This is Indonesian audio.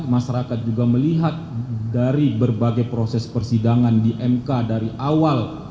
masyarakat juga melihat dari berbagai proses persidangan di mk dari awal